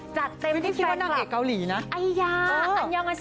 จัดเต็มที่แฟนครับ